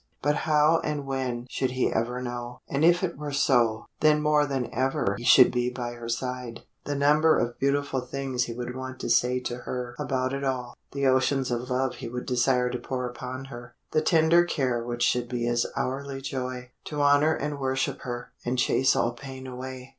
But how and when should he ever know? And if it were so then more than ever he should be by her side. The number of beautiful things he would want to say to her about it all the oceans of love he would desire to pour upon her the tender care which should be his hourly joy. To honour and worship her, and chase all pain away.